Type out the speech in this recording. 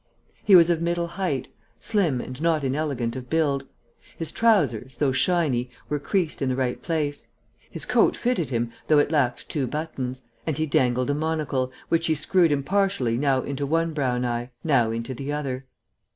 He was of middle height, slim and not inelegant of build; his trousers, though shiny, were creased in the right place; his coat fitted him though it lacked two buttons, and he dangled a monocle, which he screwed impartially now into one brown eye, now into the other.